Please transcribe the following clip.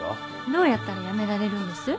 どうやったら辞められるんです？